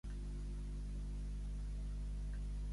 Barrejar vainilla i sucre fa que la coca sigui poc saludable.